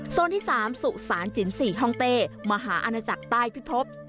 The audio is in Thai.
โซนที่๓สุสานจิน๔ห้องเต้มหาอาณาจักรใต้พิภพ